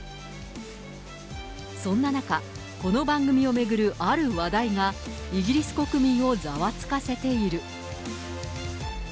そんな中、この番組を巡るある話題が、イギリス国民をざわつかせている。